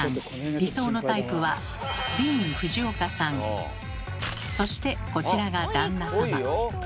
理想のタイプはそしてこちらが旦那様。